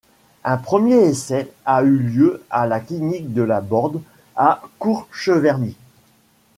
Un premier essai a eu lieu à la clinique de la Borde à Cour-Cheverny.